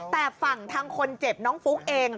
แต่ฝั่งทางคนเจ็บน้องฟุ๊กเอง